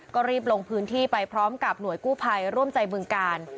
ก็รีบลงพื้นที่ไปพร้อมกับหน่วยกู้ภัยร่วมใจบึงกาล